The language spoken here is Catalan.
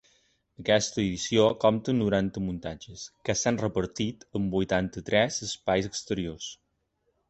Aquesta edició compta amb noranta muntatges, que s’han repartit en vuitanta-tres espais exteriors.